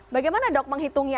bagaimana dok menghitungnya